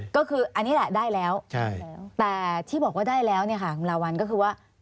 ก็คืออันนี้แหละได้แล้วแต่ที่บอกว่าได้แล้วเนี่ยค่ะคุณลาวัลก็คือว่า